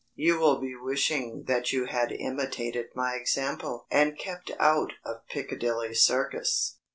You will be wishing that you had imitated my example and kept out of Piccadilly Circus.